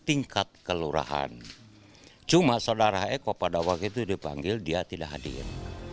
tingkat kelurahan cuma saudara eko pada waktu itu dipanggil dia tidak hadir